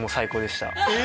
え！